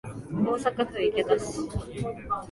大阪府池田市